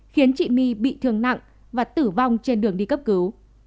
khiến chị my bị thương nặng và tử vong trên đường đi cấp cứu